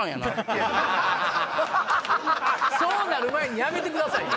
そうなる前にやめてくださいよ！